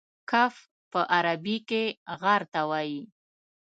کهف په عربي کې غار ته وایي.